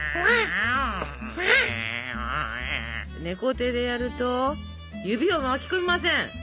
猫手でやると指を巻き込みません。